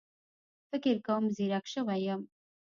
فکر کوم ځيرک شوی يم